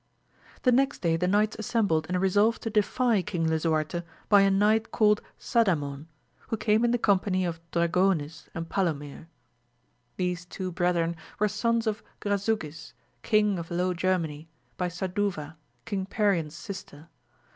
The next day the knights assembled and resolved to defy King Lisuarte by a knight called Sadamon, who came in the company of Dragonis and Palomir. 150 AMADIS OF 6AUL These two brethren were sons of Grasngis, king of Low Gennany, by Saduva, King Perion's sister.